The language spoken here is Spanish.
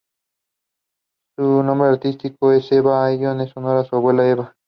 Su nombre artístico es "Eva Ayllón" en honor a su abuela Eva.